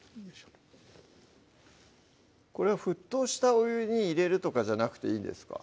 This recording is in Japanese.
これは沸騰したお湯に入れるとかじゃなくていいんですか？